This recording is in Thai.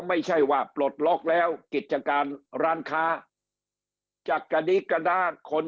ไม่ใช่ว่าปลดล็อกแล้วกิจการร้านค้าจะกระดิกกระดาษคน